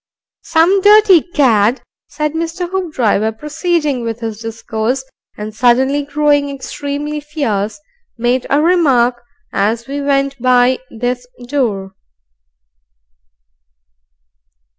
"Some dirty cad," said Mr. Hoopdriver, proceeding with his discourse, and suddenly growing extremely fierce, "made a remark as we went by this door."